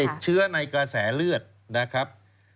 ติดเชื้อในกระแสเลือดนะครับ